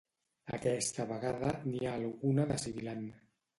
Aquesta vegada n'hi ha alguna de sibilant.